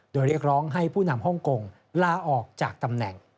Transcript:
โดยเรียกร้องให้ผู้นำฮ่องกงลาออกจากตำแหน่ง